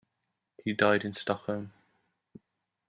He died in Stockholm.